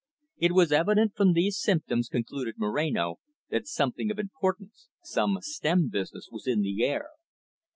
It was evident from these symptoms, concluded Moreno, that something of importance, some stern business was in the air.